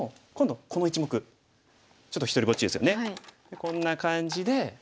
こんな感じで。